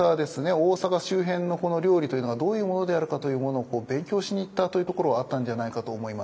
大坂周辺の料理というのがどういうものであるかというものを勉強しに行ったというところはあったんじゃないかと思います。